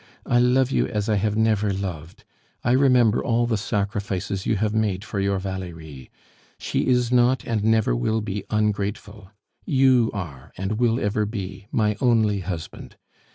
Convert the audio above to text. "I love you as I have never loved! I remember all the sacrifices you have made for your Valerie; she is not, and never will be, ungrateful; you are, and will ever be, my only husband.